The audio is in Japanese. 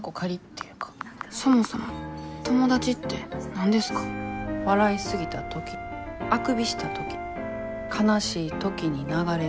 そもそも友達って何ですか笑い過ぎた時あくびした時悲しい時に流れる涙。